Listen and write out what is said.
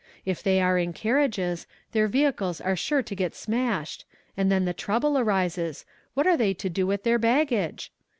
If they are in carriages, their vehicles are sure to get smashed, and then the trouble arises, what are they to do with their baggage?